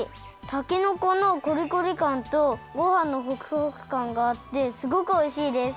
たけのこのコリコリかんとごはんのホクホクかんがあってすごくおいしいです。